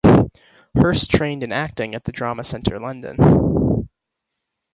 Hirst trained in acting at the Drama Centre London.